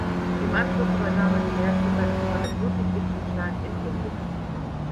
Im Anschluss übernahm er den Lehrstuhl seines Freundes Ludwig Wittgenstein in Cambridge.